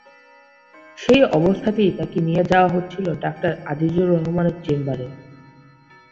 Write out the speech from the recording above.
সেই অবস্থাতেই তাকে নিয়ে যাওয়া হচ্ছিল ডাক্তার আজিজুর রহমানের চেম্বারে।